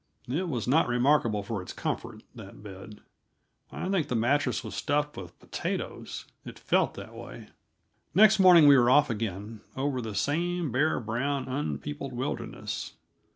It was not remarkable for its comfort that bed. I think the mattress was stuffed with potatoes; it felt that way. Next morning we were off again, over the same bare, brown, unpeopled wilderness.